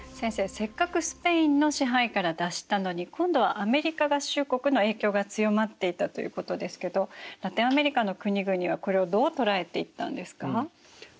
せっかくスペインの支配から脱したのに今度はアメリカ合衆国の影響が強まっていたということですけどラテンアメリカの国々はこれをどう捉えていったんですか？